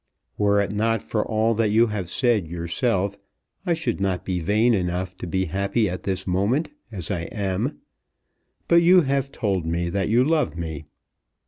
Were it not for all that you have said yourself I should not be vain enough to be happy at this moment, as I am. But you have told me that you love me.